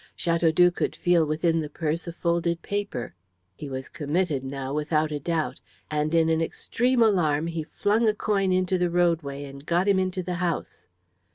Chateaudoux could feel within the purse a folded paper. He was committed now without a doubt, and in an extreme alarm he flung a coin into the roadway and got him into the house.